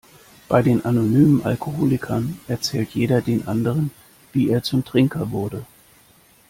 Bei den Anonymen Alkoholikern erzählt jeder den anderen, wie er zum Trinker wurde.